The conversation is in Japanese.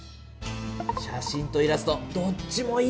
写真とイラストどっちもいいよね。